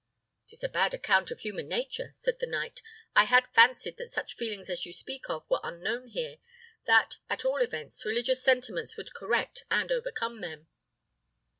"'Tis a bad account of human nature," said the knight. "I had fancied that such feelings as you speak of were unknown here: that, at all events, religious sentiments would correct and overcome them."